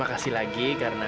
biar bisa dipajang di kamar dia